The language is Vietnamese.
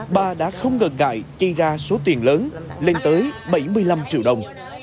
bà đã không ngợt ngại chây ra số tiền lớn lên tới bảy mươi năm triệu đồng